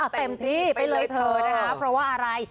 เต็มที่ไปเลยเธอนะคะเพราะว่าอะไร